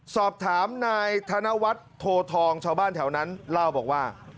สอบถามนายธนวัฒน์โททองชาวบ้านแถวนั้นเล่าบอกว่า